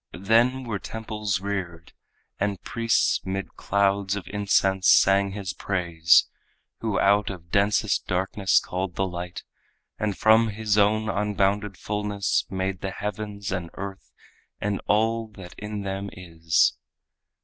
Then were temples reared, And priests 'mid clouds of incense sang His praise Who out of densest darkness called the light, And from His own unbounded fullness made The heavens and earth and all that in them is.